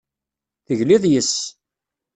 Tegliḍ yes-s.